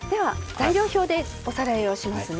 材料表でおさらいをします。